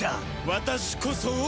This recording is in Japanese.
私こそ王！